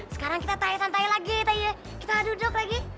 sekarang kita taya santai lagi kita duduk lagi